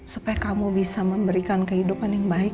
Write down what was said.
supaya kamu bisa memberikan kehidupan yang baik